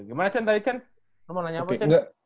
gimana ten lo mau nanya apa ten